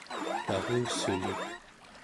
narussuli